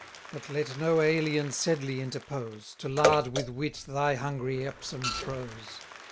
But let no alien Sedley interpose, To lard with wit thy hungry Epsom prose.